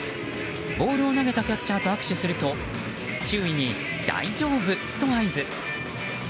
ボールを投げたキャッチャーと握手すると周囲に、大丈夫と合図。